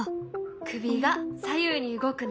首が左右に動くね。